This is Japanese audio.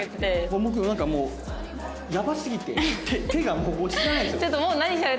僕もなんかもうやばすぎて手がもう落ち着かないんですよ。